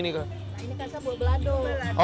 ini kasar buat belado